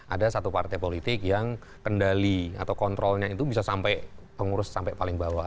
ada satu partai politik yang kendali atau kontrolnya itu bisa sampai pengurus sampai paling bawah